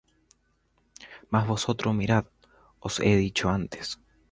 Mas vosotros mirad; os lo he dicho antes todo.